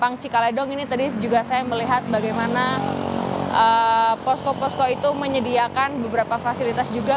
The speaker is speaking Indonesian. di kawasan cikaledong ini tadi juga saya melihat bagaimana posko posko itu menyediakan beberapa fasilitas juga